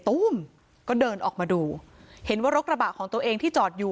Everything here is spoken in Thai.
ตู้มก็เดินออกมาดูเห็นว่ารถกระบะของตัวเองที่จอดอยู่